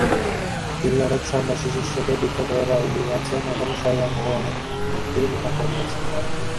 তিনি অনেক সন্ন্যাসী-শিষ্যকে ভিক্ষা করাইয়াছেন এবং স্বয়ংও অনেক দিন উহা করিয়াছেন।